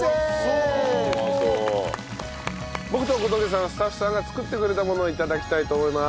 僕と小峠さんはスタッフさんが作ってくれたものを頂きたいと思います。